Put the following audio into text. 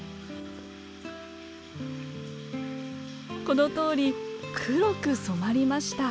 このとおり黒く染まりました。